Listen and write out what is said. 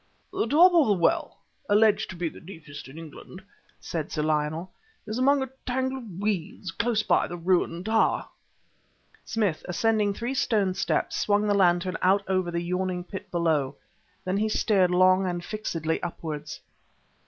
"The top of the well (alleged to be the deepest in England)," said Sir Lionel, "is among a tangle of weeds close by the ruined tower." Smith, ascending three stone steps, swung the lantern out over the yawning pit below; then he stared long and fixedly upwards.